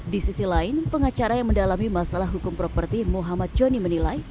di sisi lain pengacara yang mendalami masalah hukum properti muhammad joni menilai